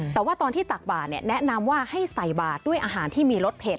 แต่ว่าตอนที่ตักบาทแนะนำว่าให้ใส่บาทด้วยอาหารที่มีรสเผ็ด